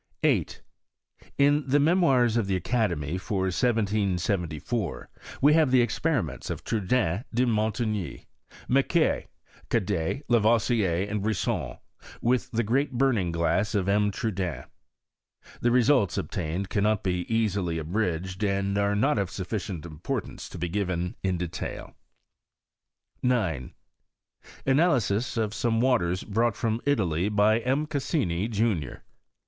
8. In the Memoirs of the Academy, for 1774, wa have the experiments of Trudaine, de Monligny, > Macquer, Cadet, Lavoisier, and Brisson, with tha great burning glass of M. Trudaine. The results obtained cannot be easily abridged, and are not of sufficient importance to be given in detail. i 9. Analysis of some waters brought from Italy by M. Cassini, junior.